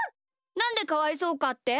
なんでかわいそうかって？